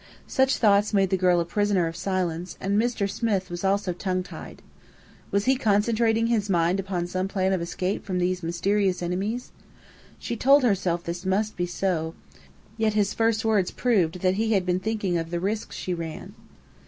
Such thoughts made the girl a prisoner of silence; and "Mr. Smith" was also tongue tied. Was he concentrating his mind upon some plan of escape from these mysterious enemies? She told herself this must be so; yet his first words proved that he had been thinking of the risk she ran.